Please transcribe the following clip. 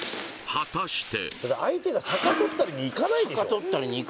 果たして？